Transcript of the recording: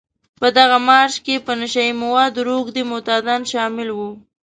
په دغه مارش کې په نشه يي موادو روږدي معتادان شامل وو.